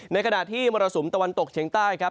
ในขณะที่มรสุมตะวันตกเชียงใต้ครับ